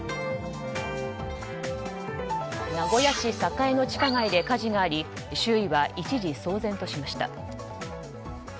名古屋市栄の地下街で火事があり周囲は一時騒然としました。